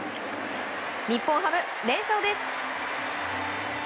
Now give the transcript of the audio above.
日本ハム、連勝です。